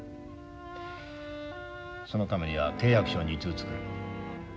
そのためには契約書を２通作る。